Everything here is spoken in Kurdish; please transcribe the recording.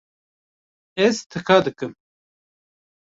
Ez tika dikim.